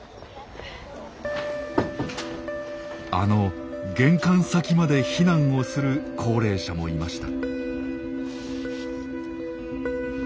あの玄関先まで避難をする高齢者もいました。